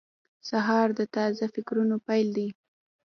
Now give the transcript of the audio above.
سهار د تازه فکرونو پیل دی.